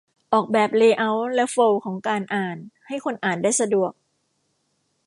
ออกแบบเลย์เอาต์และโฟลว์ของการอ่าน ให้คนอ่านได้สะดวก